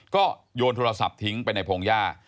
ก็โยนโทรศัพท์ทิ้งไปในพงหญ้า